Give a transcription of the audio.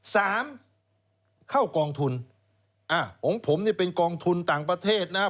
สามเข้ากองทุนผมเป็นกองทุนต่างประเทศนะฮะ